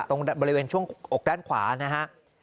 ตรงบริเวณช่วงอกด้านขวานะฮะ